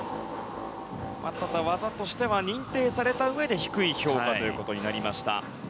ただ技としては認定されたうえで低い評価となりました。